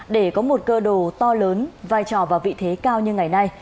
để có một cơ đồ to lớn vai trò và vị thế cao như ngày nay